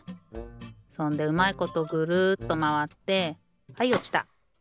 そんでうまいことぐるっとまわってはいおちた。